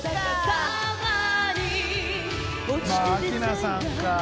まあ明菜さんか。